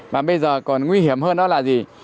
mà bây giờ còn nguy hiểm hơn đó là gì